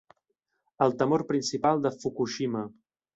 El temor principal de Fukushima.